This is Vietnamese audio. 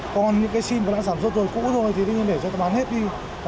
còn những cái sim đã sản xuất rồi cũ thôi thì đương nhiên để cho bán hết đi